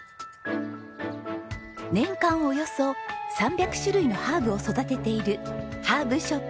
年間およそ３００種類のハーブを育てているハーブショップ